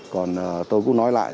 còn tôi cũng nói lại